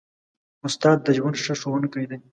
استاد د ژوند ښه ښوونکی دی.